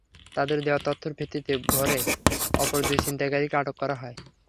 তাদের দেওয়া তথ্যের ভিত্তিতে ভোরে অপর দুই ছিনতাইকারীকে আটক করা হয়।